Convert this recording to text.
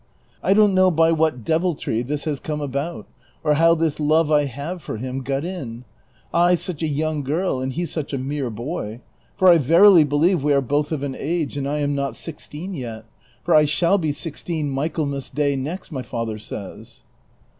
I don't know by what deviltry this has come about, or how this love I have for him got in ; I such a young girl, and he such a mere boy ; for I verily believe we are both of an age, and I am not sixteen yet ; for I shall be sixteen Michaelmas Day next, my father says."